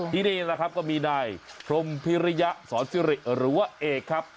นี่แหละครับก็มีนายพรมพิริยะสอนซิริหรือว่าเอกครับ